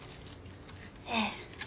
ええ。